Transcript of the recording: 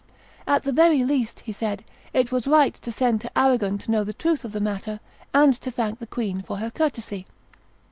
"At the very least," he said, "it was right to send to Arragon to know the truth of the matter, and to thank the queen for her courtesy."